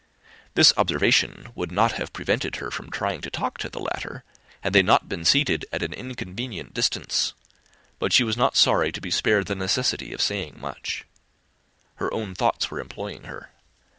This observation would not have prevented her from trying to talk to the latter, had they not been seated at an inconvenient distance; but she was not sorry to be spared the necessity of saying much: her own thoughts were employing her.